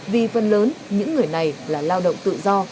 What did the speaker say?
vì phần lớn những người này là lao động tự do